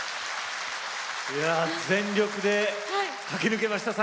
全力で駆け抜けました。